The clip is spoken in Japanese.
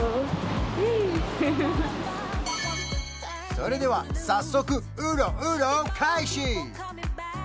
それでは早速ウロウロ開始！